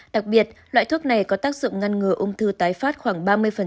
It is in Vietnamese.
đặc biệt loại thuốc này có tác dụng ngăn ngừa ung thư tái phát khoảng ba mươi